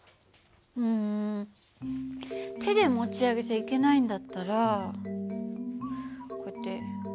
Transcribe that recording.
うん手で持ち上げちゃいけないんだったらこうやって横に動かしてみるとか。